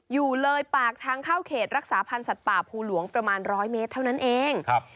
อยู่เลยปากทางเข้าเขตรักษาพันธ์สัตว์ป่าภูหลวงประมาณร้อยเมตรเท่านั้นเอง